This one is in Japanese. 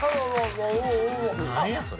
何やそれ。